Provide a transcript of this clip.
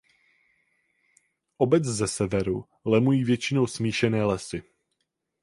Obec ze severu lemují většinou smíšené lesy.